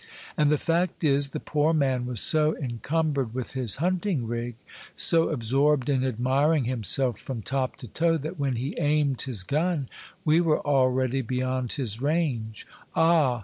And the fact is, the poor man was so encum bered with his hunting rig, so absorbed in admiring himself from top to toe, that when he aimed his gun, we were already beyond his range. Ah